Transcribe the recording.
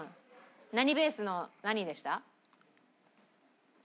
何ベースの何でした？